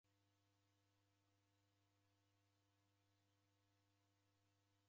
Uhu m'ndu oka na chaghu chipoie.